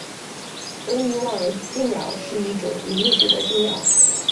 留尼旺椋鸟是一种已灭绝的椋鸟。